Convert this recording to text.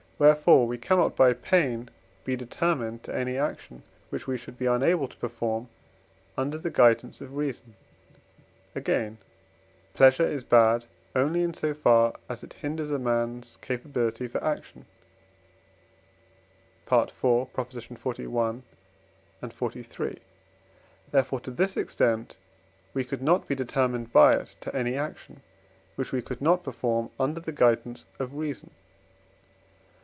wherefore we cannot by pain be determined to any action, which we should be unable to perform under the guidance of reason. Again, pleasure is bad only in so far as it hinders a man's capability for action (IV. xli. xliii.); therefore to this extent we could not be determined by it to any action, which we could not perform under the guidance of reason.